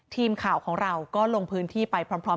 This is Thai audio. ทีมข่าวของเราก็ลงพื้นที่ไปพร้อม